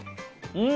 うん！